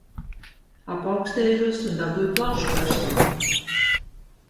Apaukstējos un dabūju plaušu karsoni